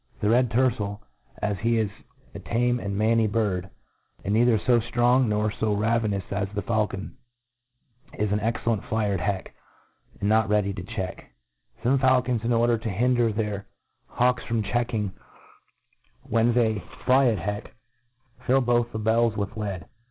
The red tercel, as he is a tame and manny bird, and neither fo ftrong nor fo ravenous as the ^ulcon, is an excellent flipr at Ijieck, and not Tczr dy to check. Some faulconers, in order tp hinder thckr hawks from checking when they fly 'Pt heck, fifl . both the bells with lead.